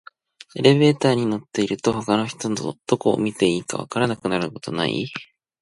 エレベーターに乗ってると、他の人とどこを見ていたらいいか分からなくなることない？